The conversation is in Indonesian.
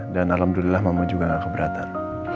dan alhamdulillah mama juga gak keberatan